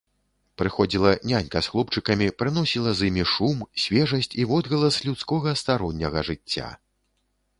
Прыходзіла нянька з хлопчыкамі, прыносіла з імі шум, свежасць і водгалас людскога старонняга жыцця.